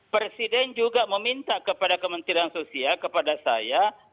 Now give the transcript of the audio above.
presiden juga meminta kepada kementerian sosial kepada saya